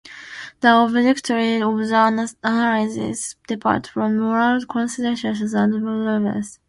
The objectivity of the analysis departs from moral considerations and moralistic views.